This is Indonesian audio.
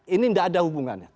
ini tidak ada hubungannya